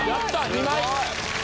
２枚。